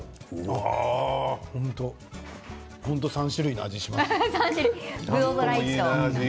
本当に３種類の味がします。